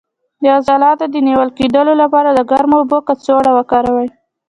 د عضلاتو د نیول کیدو لپاره د ګرمو اوبو کڅوړه وکاروئ